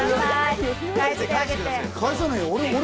返さないよ？